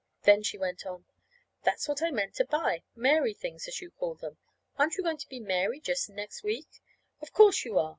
Then she went on. "That's what I meant to buy Mary things, as you call them. Aren't you going to be Mary just next week? Of course, you are!